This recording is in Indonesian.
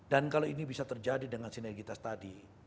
dan kalau ini bisa terjadi dengan sinergitas tadi